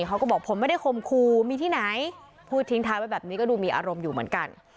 เขาก็บอกผมไม่ได้คมครูมีที่ไหนพูดทิ้งท้ายไว้แบบนี้ก็ดูมีอารมณ์อยู่เหมือนกัน